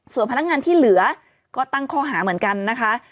ส่วนพนักงานที่เหลือก็ตั้งข้อหาเหมือนกันนะคะ